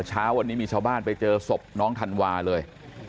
เช้าวันนี้มีชาวบ้านไปเจอศพน้องธันวาเลย